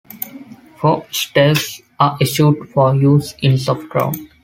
Four stakes are issued for use in soft ground.